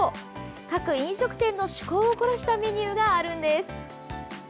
各飲食店の趣向を凝らしたメニューがあるんです。